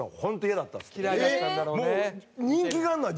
嫌いだったんだろうね。